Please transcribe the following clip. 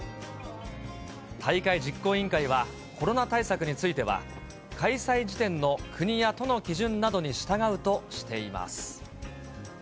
大会実行委員会は、コロナ対策については、開催時点の国や都の基準などに従うとしています。